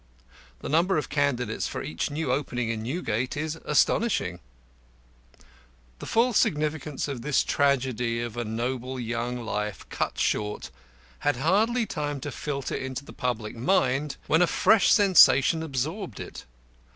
The number of candidates for each new opening in Newgate is astonishing. The full significance of this tragedy of a noble young life cut short had hardly time to filter into the public mind, when a fresh sensation absorbed it.